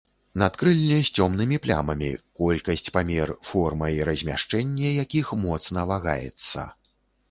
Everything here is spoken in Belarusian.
Надкрылле з цёмнымі плямамі, колькасць, памер, форма і размяшчэнне якіх моцна вагаецца.